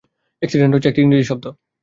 Accident হচ্ছে একটা ইংরেজি শব্দ।